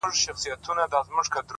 څه یې مسجد دی څه یې آذان دی،